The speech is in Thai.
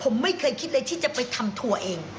ผมไม่เคยคิดเลยที่จะไปทำทัวร์เอง